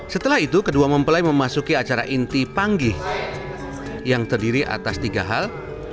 setelah itu kedua mempelai memasuki acara inti panggih yang terdiri atas tiga hal